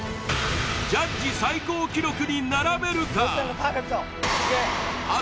ジャッジ最高記録に並べるか？